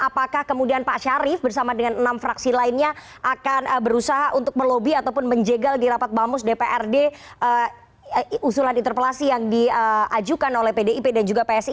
apakah kemudian pak syarif bersama dengan enam fraksi lainnya akan berusaha untuk melobi ataupun menjegal di rapat bamus dprd usulan interpelasi yang diajukan oleh pdip dan juga psi